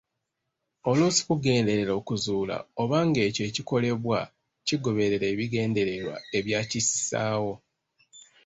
Oluusi kugenderera okuzuula oba ng’ekyo ekikolebwa kigoberera ebigendererwa ebyakississaawo.